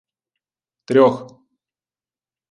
— Трьох.